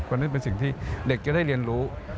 นั่นเป็นสิ่งที่เด็กจะได้เรียนรู้